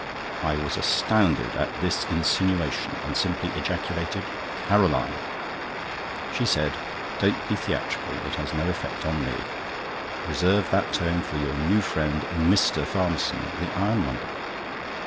I was astounded at this insinuation and simply ejaculated: "Caroline!" She said: "Don't be theatrical, it has no effect on me. Reserve that tone for your new friend, Mister Farmerson, the ironmonger."